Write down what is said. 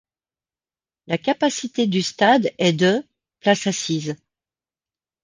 La capacité du stade est de places assises.